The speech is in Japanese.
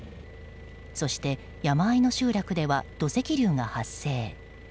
そして、山あいの集落では土石流が発生。